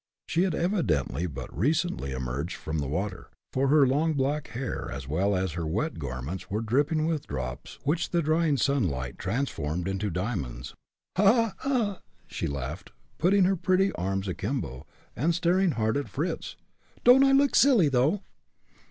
She had evidently but recently emerged from the water, for her long black hair as well as her wet garments were dripping with drops which the dying sunlight transformed into diamonds. "Ha! ha! ha!" she laughed, putting her pretty arms akimbo, and staring hard at Fritz. "Don't I look silly, though?"